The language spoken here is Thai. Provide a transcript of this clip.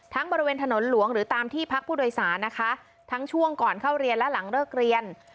บริเวณถนนหลวงหรือตามที่พักผู้โดยสารนะคะทั้งช่วงก่อนเข้าเรียนและหลังเลิกเรียน